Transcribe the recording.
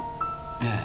ええ。